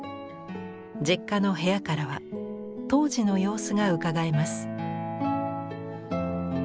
実家の部屋からは当時の様子がうかがえます。